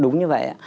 đúng như vậy ạ